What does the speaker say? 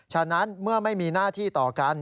ฉะนั้นเมื่อไม่มีหน้าที่ต่อกัน